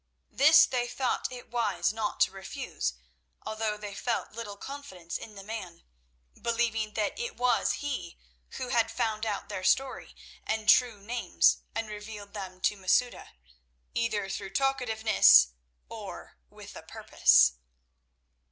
This they thought it wise not to refuse, although they felt little confidence in the man, believing that it was he who had found out their story and true names and revealed them to Masouda, either through talkativeness or with a purpose.